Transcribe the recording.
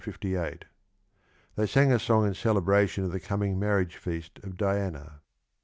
They sang a song in celebration of the coming marriage feast of Diana.